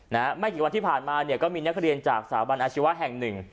ไม่กี่วันที่ผ่านมาเนี่ยก็มีนักเรียนจากสถาบันอาชีวะแห่งหนึ่ง